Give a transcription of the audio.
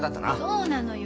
そうなのよ。